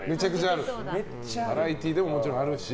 バラエティーでももちろんあるし。